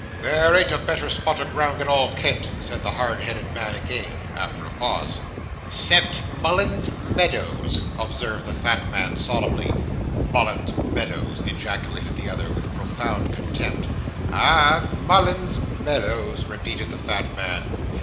'There ain't a better spot o' ground in all Kent,' said the hard headed man again, after a pause. ''Cept Mullins's Meadows,' observed the fat man solemnly. 'Mullins's Meadows!' ejaculated the other, with profound contempt. 'Ah, Mullins's Meadows,' repeated the fat man.